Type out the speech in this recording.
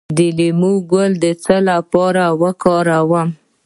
د لیمو ګل د څه لپاره وکاروم؟